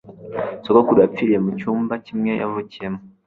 sogokuru yapfiriye mu cyumba kimwe yavukiyemo